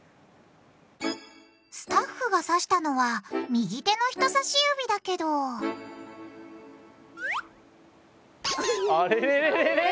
スタッフがさしたのは右手の人さし指だけどあれれれれれれ？